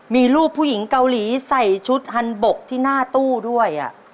มีรูปผู้หญิงเกาหลีใส่ชุดฮันบกที่หน้าตู้ด้วย